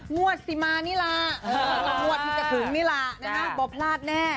งวดสิมานิลางวดพิจถึงนิลาบ่พลาดแน่